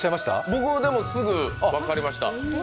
僕すぐ分かりました。